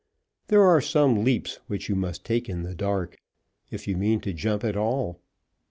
There are some leaps which you must take in the dark, if you mean to jump at all.